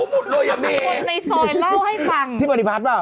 โพลิพัทปฏิพัท